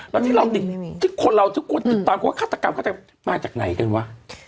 แล้วที่เราที่คนเราทุกคนติดตามความฆาตกรรมเข้าใจมาจากไหนกันวะ